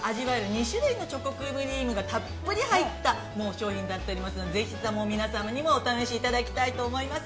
２種類のチョコクリームがたっぷりと入った、商品だったりするので、皆さんにもお試しいただきたいと思います。